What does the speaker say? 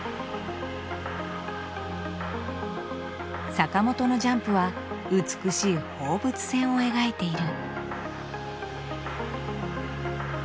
坂本のジャンプは美しい放物線を描いている。